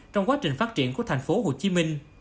trong quá trình phát triển của thành phố hồ chí minh